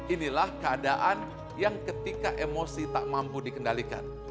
inilah keadaan yang ketika emosi tak mampu dikendalikan